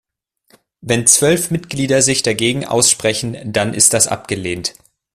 Wenn zwölf Mitglieder sich dagegen aussprechen, dann ist das abgelehnt.